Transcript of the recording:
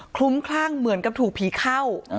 ลุ้มคลั่งเหมือนกับถูกผีเข้า